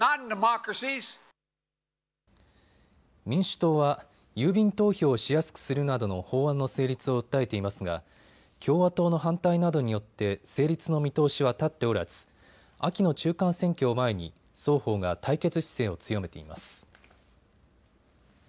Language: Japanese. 民主党は郵便投票をしやすくするなどの法案の成立を訴えていますが共和党の反対などによって成立の見通しは立っておらず秋の中間選挙を前に双方が対決姿勢を強めています。